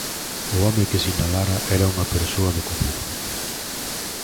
O home que sinalara era unha persoa do común.